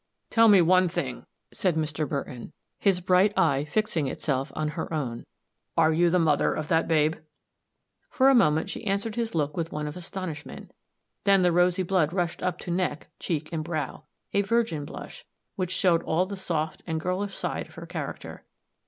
"Tell me one thing," said Mr. Burton, his bright eye fixing itself on her own; "are you the mother of that babe?" For a moment she answered his look with one of astonishment; then the rosy blood rushed up to neck, cheek and brow a virgin blush, which showed all the soft and girlish side of her character.